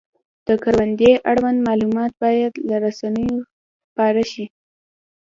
د کروندې اړوند معلومات باید له رسنیو خپاره شي.